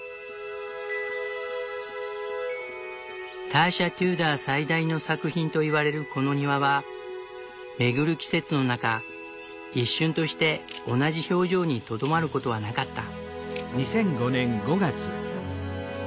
ターシャ・テューダー最大の作品と言われるこの庭は巡る季節の中一瞬として同じ表情にとどまることはなかった。